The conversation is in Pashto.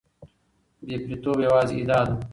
بې پرېتوب یوازې ادعا ده.